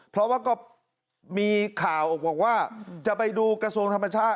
เพราะว่าก็มีข่าวออกบอกว่าจะไปดูกระทรวงธรรมชาติ